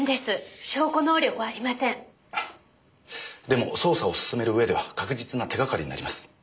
でも捜査を進める上では確実な手がかりになります。